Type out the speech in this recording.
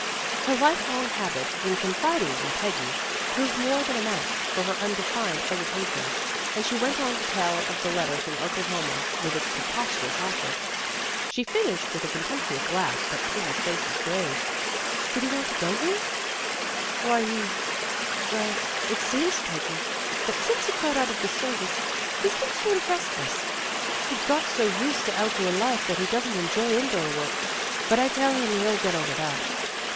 Her life long habit of confiding in Peggy proved more than a match for her undefined hesitation, and she went on to tell of the letter from Oklahoma with its preposterous offer. She finished with a little contemptuous laugh, but Peggy's face was grave. "Did he want to go, Ruth!" 135 , he well, it seems, Peggy, that since he got out of the service he's been sort of rest less. He got so used to outdoor life that he doesn't enjoy indoor work. But I tell him he'll get over that."